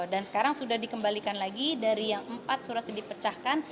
dan sekarang sudah dikembalikan lagi dari yang empat surat sudah dipecahkan